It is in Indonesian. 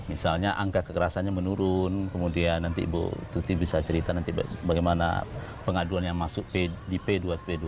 misalnya angka kekerasannya menurun kemudian nanti ibu tuti bisa cerita nanti bagaimana pengaduan yang masuk di p dua p dua